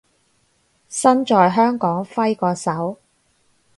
身在香港揮個手